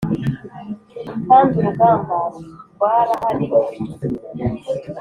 kandi urugamba rwarahari,